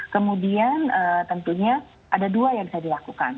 kemudian tentunya ada dua yang bisa dilakukan